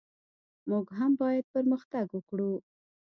موږ هم باید پرمختګ وکړو.